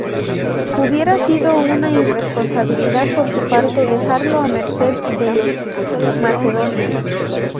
Hubiera sido una irresponsabilidad por su parte dejarlo a merced de los macedonios.